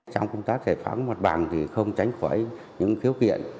trong công tác giải phóng mặt bằng thì không tránh khỏi những khiếu kiện